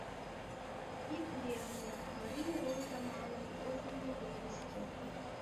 Ик велне «Марий рота» манын возымо вывеске.